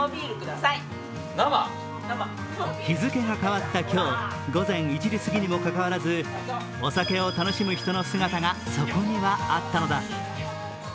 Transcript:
日付が変わった今日、午前１時すぎにもかかわらずお酒を楽しむ人の姿がそこにはあったのだ。